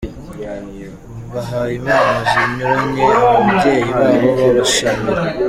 Bahaye impano zinyuranye ababyeyi babo babashimira.